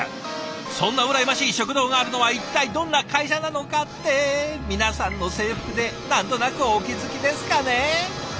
そんな羨ましい食堂があるのは一体どんな会社なのかって皆さんの制服で何となくお気付きですかね？